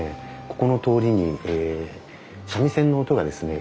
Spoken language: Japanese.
ここの通りに三味線の音がですね